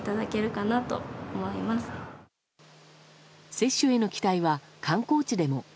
接種への期待は、観光地でも。